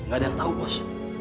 gak ada yang tahu bos